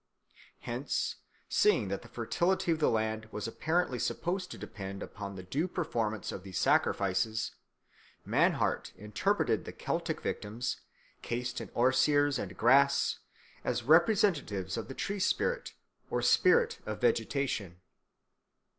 Hence, seeing that the fertility of the land was apparently supposed to depend upon the due performance of these sacrifices, Mannhardt interpreted the Celtic victims, cased in osiers and grass, as representatives of the tree spirit or spirit of vegetation.